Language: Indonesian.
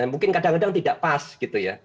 mungkin kadang kadang tidak pas gitu ya